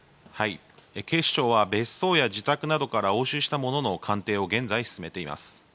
警視庁は別荘や自宅などから押収したものの鑑定を現在進めています。